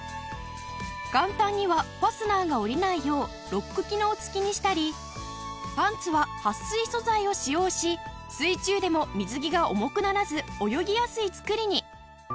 簡単にはファスナーが下りないようロック機能付きにしたりパンツは撥水素材を使用し水中でも水着が重くならず泳ぎやすい作りに